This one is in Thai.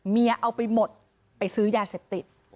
เอาไปหมดไปซื้อยาเสพติด